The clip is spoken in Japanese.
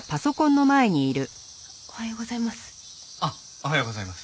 おはようございます。